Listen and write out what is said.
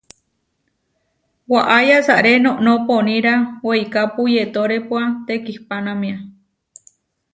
Waʼá yasaré noʼnó poníra weikápu yetórepua tekihpanámia.